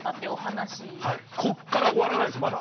はいこっから終わらないですまだ。